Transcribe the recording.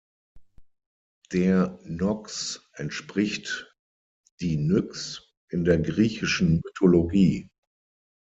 Der Nox entspricht die Nyx in der griechischen Mythologie.